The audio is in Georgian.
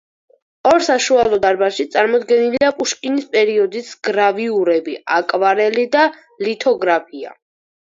ორ საშუალო დარბაზში წარმოდგენლია პუშკინის პერიოდის გრავიურები, აკვარელი და ლითოგრაფია.